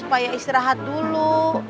apakah nama di rumahnya ya